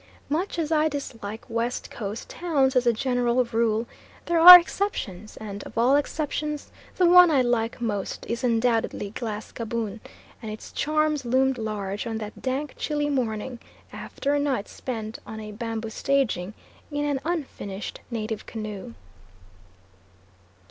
Much as I dislike West Coast towns as a general rule, there are exceptions, and of all exceptions, the one I like most is undoubtedly Glass Gaboon; and its charms loomed large on that dank chilly morning after a night spent on a bamboo staging in an unfinished native canoe.